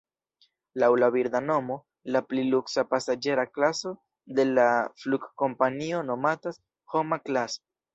Laŭ la birda nomo, la pli luksa pasaĝera klaso de la flugkompanio nomatas "Homa-Class".